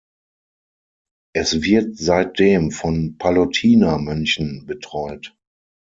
Es wird seitdem von Pallotiner-Mönchen betreut.